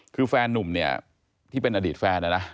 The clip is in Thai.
คือแฟนนุ่มเนี่ยที่เป็นอดีตแฟนนะนะ